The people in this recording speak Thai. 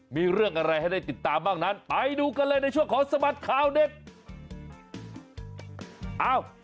มีเรื่องอะไรให้ได้ติดตามบ้างนั้นไปดูกันเลยในช่วงของสบัดข่าวเด็ก